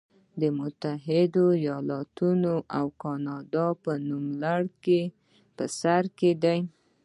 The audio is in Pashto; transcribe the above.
متحده ایالتونه او کاناډا په نوملړ کې په سر کې دي.